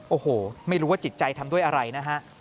โอ้โหไม่รู้ว่าจิตใจทำด้วยอะไรนะฮะ